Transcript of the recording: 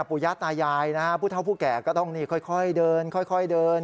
ปุญญาตายายผู้เท่าผู้แก่ก็ต้องค่อยเดิน